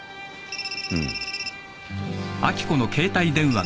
うん。